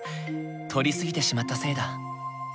採り過ぎてしまったせいだ。